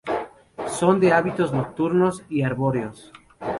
Son de hábitos nocturnos y arbóreos.